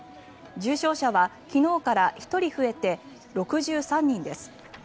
重症者は昨日から１人増えて６３人です。